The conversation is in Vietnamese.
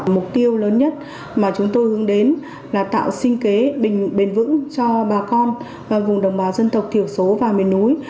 mục tiêu lớn nhất mà chúng tôi hướng đến là tạo sinh kế bền vững cho bà con vùng đồng bào dân tộc thiểu số và miền núi